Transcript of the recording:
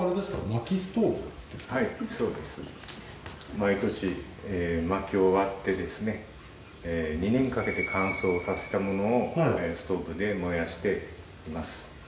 毎年薪を割ってですね２年かけて乾燥させたものをストーブで燃やしています。